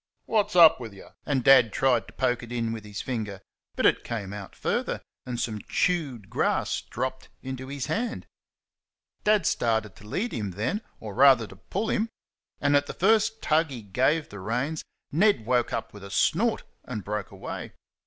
"Wot's up w' y'?" and Dad tried to poke it in with his finger, but it came out further, and some chewed grass dropped into his hand. Dad started to lead him then, or rather to PULL him, and at the first tug he have the reins Ned woke with a snort and broke away.